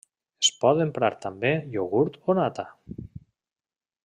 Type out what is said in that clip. Es pot emprar també iogurt o nata.